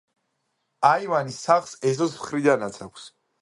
აივანი სახლს ეზოს მხრიდანაც აქვს.